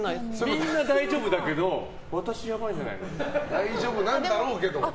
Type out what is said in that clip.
みんな大丈夫だけど私、やばいんじゃないのって。